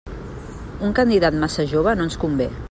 Un candidat massa jove no ens convé.